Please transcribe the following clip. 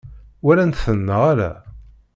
Walan-ten neɣ ala?